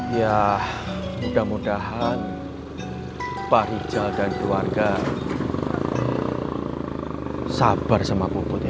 ya mudah mudahan pak rijal dan keluarga sabar sama puput ya pak